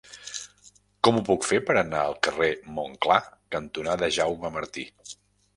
Com ho puc fer per anar al carrer Montclar cantonada Jaume Martí?